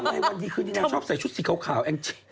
ทำไมวันที่คืนนี้นางชอบใส่ชุดสีขาวแองชิบ